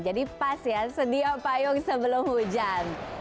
jadi pas ya sedia payung sebelum hujan